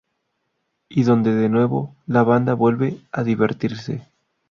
Y donde de nuevo, la banda vuelve a divertirse.